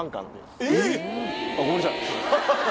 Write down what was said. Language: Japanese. あっごめんなさい。